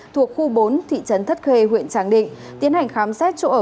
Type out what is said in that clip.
thuộc khu bốn thị trấn thất khê huyện tràng định tiến hành khám xét chỗ ở